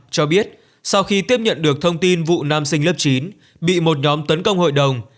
cho biết sau khi tiếp nhận được thông tin vụ nam sinh lớp chín bị một nhóm tấn công hội đồng